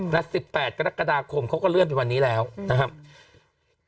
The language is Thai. และ๑๘กรกฎาคมเขาก็เลื่อนไปวันนี้แล้วนะครับ